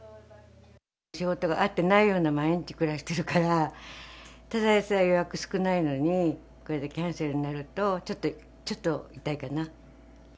仕事があってないような毎日暮らしてるから、ただでさえ予約少ないのに、これでキャンセルになると、ちょっと、ちょっと痛いかな。